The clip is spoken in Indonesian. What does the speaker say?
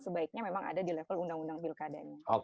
sebaiknya memang ada di level undang undang pilkadanya